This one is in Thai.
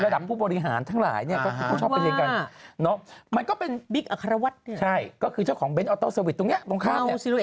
ระดับผู้บริหารทั้งหลายทุกคนชอบไปเรียนกัน